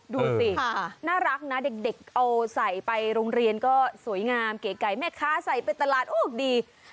ดูสิน่ารักนะเด็กเอาใส่ไปโรงเรียนก็สวยงามเก๋ไก่แม่ค้าใส่ไปตลาดโอ้ดี